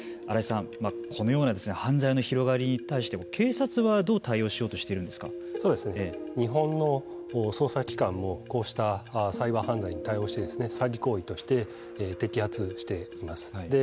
新井さん、このような犯罪の広がりに対して警察はどう対応しようと日本の捜査機関もこうしたサイバー犯罪に対応して詐欺行為として摘発しています。